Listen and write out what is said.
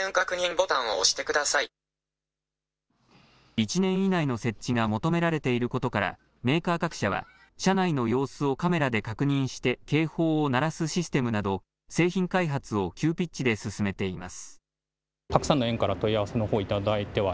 １年以内の設置が求められていることからメーカー各社は車内の様子をカメラで確認して警報を鳴らすシステムなど製品開発を急ピッチで進めています。